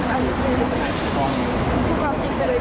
คิดความจริงไปเลยสองเนาะ